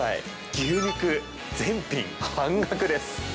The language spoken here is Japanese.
牛肉全品、半額です。